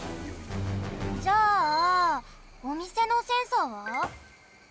じゃあおみせのセンサーは？